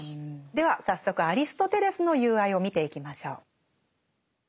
では早速アリストテレスの「友愛」を見ていきましょう。